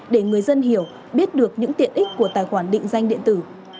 để người dân hiểu biết được những tiện ích của tài khoản định danh điện tử